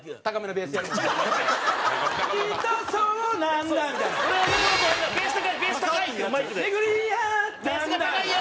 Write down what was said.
ベースが高いよ！